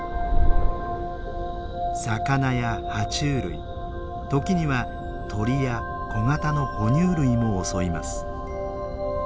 魚やは虫類時には鳥や小型の哺乳類も襲います。